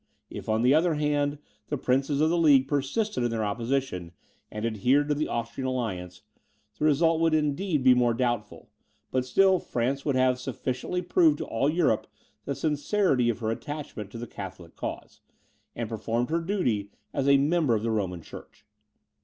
If, on the other hand, the princes of the League persisted in their opposition, and adhered to the Austrian alliance, the result would indeed be more doubtful, but still France would have sufficiently proved to all Europe the sincerity of her attachment to the Catholic cause, and performed her duty as a member of the Roman Church.